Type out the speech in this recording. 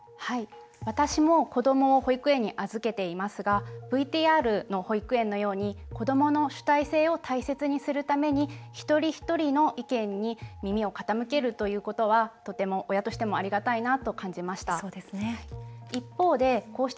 私も子どもを保育園に預けていますがＶＴＲの保育園のように子どもの主体性を大切にするために一人一人の意見に耳を傾けるということはとても親としてもありがたいなと感じました。